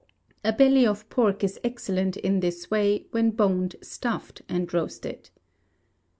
A belly of pork is excellent in this way, when boned, stuffed, and roasted.